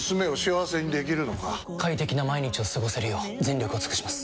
快適な毎日を過ごせるよう全力を尽くします！